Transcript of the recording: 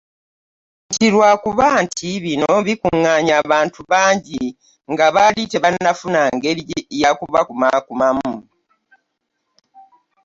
Nti lwakuba nti bino bikungaanya abantu bangi nga baali tebannafuna ngeri ya kubakuumamu.